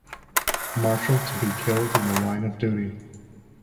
Marshal to be killed in the line of duty.